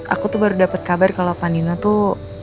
aku tuh baru dapet kabar kalau pandina tuh